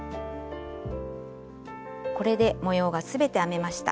これで模様が全て編めました。